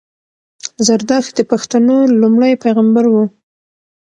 زردښت د پښتنو لومړی پېغمبر وو